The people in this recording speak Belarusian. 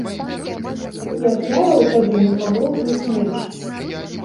І ахвяраў тады магло б быць менш.